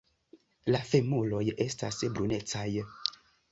La femuroj estas brunecaj.